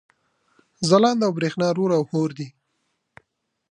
ځلاند او برېښنا رور او حور دي